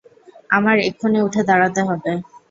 আমার এক্ষুণি উঠে দাঁড়াতে হবে।